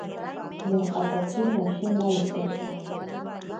Nojatsi noshimaiteta.